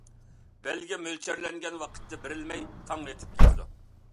بەلگە مۆلچەرلەنگەن ۋاقىتتا بېرىلمەي، تاڭ ئېتىپ كېتىدۇ.